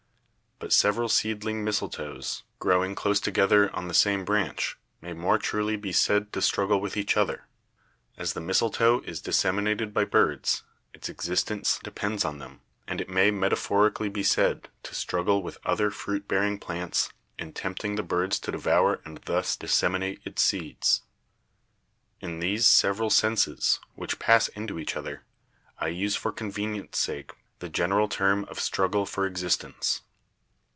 But several seedling mistletoes, growing close together on the same branch, may more truly be said to struggle with each other. As the mistletoe is dissemi nated by birds, its existence depends on them ; and it may metaphorically be said to struggle with other fruit bearing plants in tempting the birds to devour and thus disseminate its seeds. In these several senses, which pass into each other, I use for convenience* sake the general term of Struggle for Existence.